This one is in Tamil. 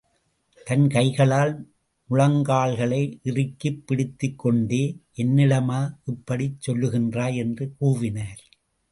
தன் கைகளால் முழங்கால்களை இறுக்கிப் பிடித்துக் கொண்டே, என்னிடமா இப்படிச் சொல்லுகின்றாய்? என்று கூவினார்.